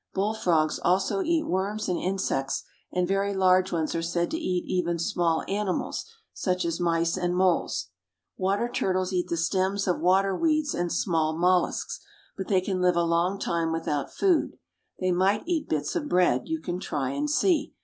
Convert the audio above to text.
Bull frogs also eat worms and insects, and very large ones are said to eat even small animals, such as mice and moles. Water turtles eat the stems of water weeds and small mollusks, but they can live a long time without food. They might eat bits of bread. You can try and see.